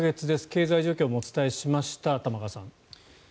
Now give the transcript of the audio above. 経済状況もお伝えしました玉川さん。